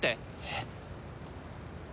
えっ？